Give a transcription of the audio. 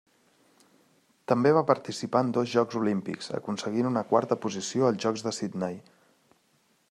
També va participar en dos Jocs Olímpics aconseguint una quarta posició als Jocs de Sydney.